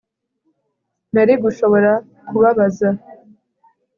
Nari gushobora kubabaza